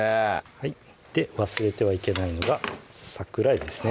はい忘れてはいけないのが桜えびですね